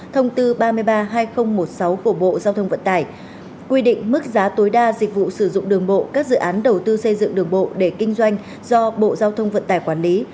thông tư ba mươi ba hai nghìn một mươi sáu của bộ giao thông vận tải quy định mức giá tối đa dịch vụ sử dụng đường bộ các dự án đầu tư xây dựng đường bộ để kinh doanh do bộ giao thông vận tải quản lý